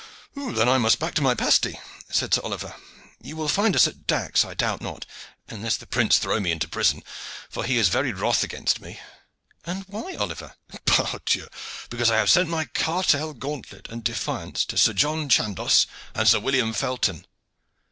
"Then I must back to my pasty," said Sir Oliver. "You will find us at Dax, I doubt not, unless the prince throw me into prison, for he is very wroth against me." "And why, Oliver?" "Pardieu! because I have sent my cartel, gauntlet, and defiance to Sir John Chandos and to Sir William Felton."